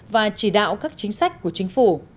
và chỉ đạo các chính sách của chính phủ